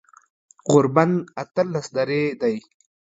غوربند اتلس درې دی